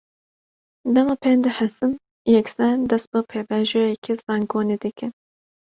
Dema pê dihesin, yekser dest bi pêvajoyeke zagonî dikin